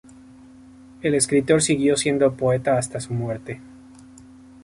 El escritor siguió siendo poeta hasta su muerte.